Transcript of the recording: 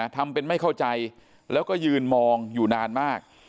ทำเป็นไม่เข้าใจแล้วก็ยืนมองอยู่นานมาก